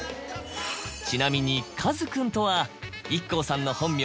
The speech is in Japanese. ちなみに「かずくん」とはＩＫＫＯさんの本名